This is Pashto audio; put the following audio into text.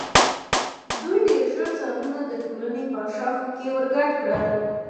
دوی ډېر ژر ځانونه د ټولنې په اشرافو کې ورګډ کړل.